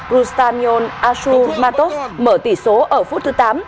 rustanyon ashur matos mở tỷ số ở phút thứ tám